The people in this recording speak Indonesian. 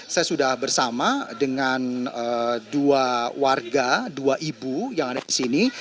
saya sudah bersama dengan dua warga dua ibu yang ada di sini